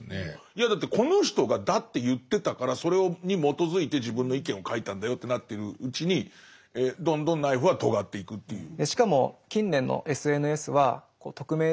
いやだってこの人がだって言ってたからそれに基づいて自分の意見を書いたんだよってなってるうちにどんどんナイフはとがっていくっていう。